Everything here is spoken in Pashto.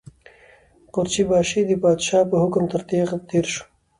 قورچي باشي د پادشاه په حکم تر تېغ تېر شو.